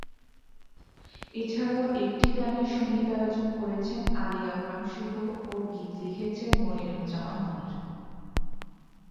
এছাড়াও একটি গানের সঙ্গীতায়োজন করেছেন আলী আকরাম শুভ ও গীত লিখেছেন মনিরুজ্জামান মনির।